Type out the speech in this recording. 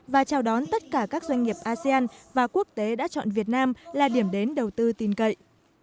và chào đón tất cả các doanh nghiệp asean và quốc tế đã chọn việt nam là điểm đến đầu tư tin cậy